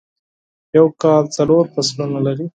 یو کال څلور فصلونه لری